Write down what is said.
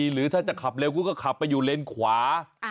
หรือถ้าจะขับเร็วกูก็ขับตัวเลนค์ขวา